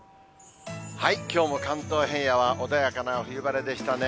きょうも関東平野は穏やかな冬晴れでしたね。